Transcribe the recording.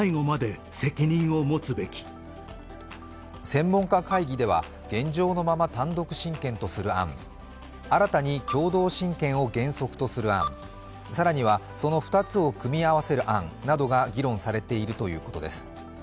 専門家会議では、現状のまま単独親権とする案、新たに共同親権を原則とする案更にはその２つを組み合わせる案ずなどが議論されていると言うことです。